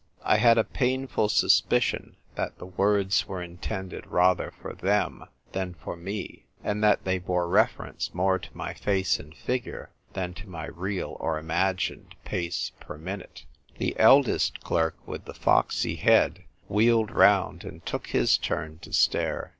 I had a painful suspicion that the words were intended rather for them than for me, and that they bore reference more to my face and figure than to my real or imagined pace per minute. The eldest clerk, with the foxy head, wheeled round, and took his turn to stare.